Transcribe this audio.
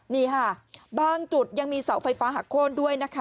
นี่ค่ะบางจุดยังมีเสาไฟฟ้าหักโค้นด้วยนะคะ